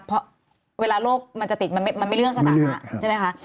เพราะเวลาโลกมันจะติดมันไม่เรื่องสถานะใช่ไหมคะ